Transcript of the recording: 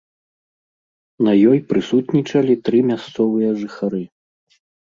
На ёй прысутнічалі тры мясцовыя жыхары.